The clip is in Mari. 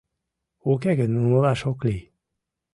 Уке гын умылаш ок лий.